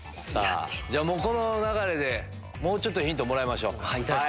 じゃあこの流れでもっとヒントもらいましょうか。